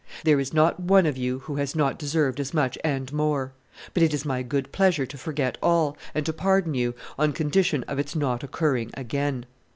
There is not one of you who has not deserved as much, and more; but it is my good pleasure to forget all, and to pardon you, on condition of its not occurring again.